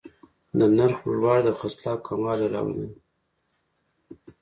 د نرخ لوړوالی د خرڅلاو کموالی راولي.